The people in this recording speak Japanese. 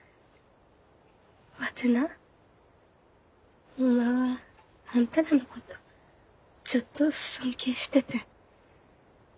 ワテなホンマはあんたらのことちょっと尊敬しててん。